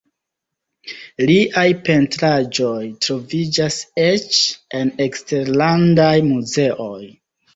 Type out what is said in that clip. Liaj pentraĵoj troviĝas eĉ en eksterlandaj muzeoj.